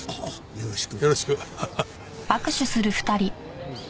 よろしく。